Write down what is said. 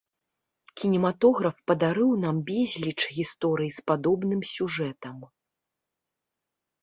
Кінематограф падарыў нам безліч гісторый з падобным сюжэтам.